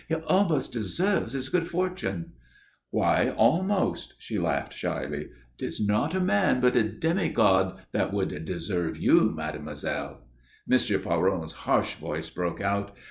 He almost deserves his good fortune." "Why almost?" she laughed, shyly. "It is not a man, but a demi god, that would deserve you, mademoiselle." M. Poiron's harsh voice broke out.